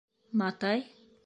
Матай?